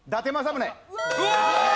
うわ！